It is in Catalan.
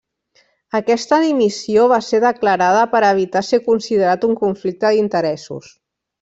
Aquesta dimissió va ser declarada per a evitar ser considerat un conflicte d'interessos.